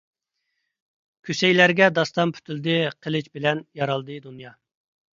كۈسەيلەرگە داستان پۈتۈلدى، قىلىچ بىلەن يارالدى دۇنيا.